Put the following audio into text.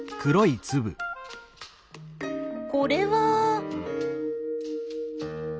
これは。